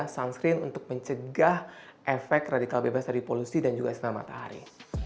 sunscreen untuk mencegah efek radikal bebas dari polusi dan juga sinar matahari